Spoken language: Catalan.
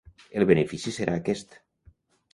El benefici serà aquest.